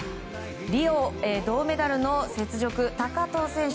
リオ銅メダルの雪辱、高藤選手